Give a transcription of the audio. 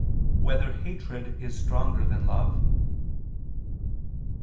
3] Whether Hatred Is Stronger Than Love?